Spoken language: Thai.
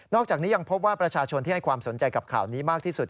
อกจากนี้ยังพบว่าประชาชนที่ให้ความสนใจกับข่าวนี้มากที่สุด